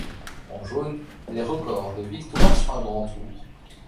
En jaune, les records de victoires sur un grand tour.